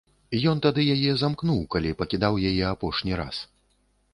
Ён тады яе замкнуў, калі пакідаў яе апошні раз.